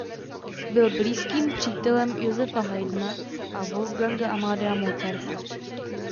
Byl blízkým přítelem Josepha Haydna a Wolfganga Amadea Mozarta.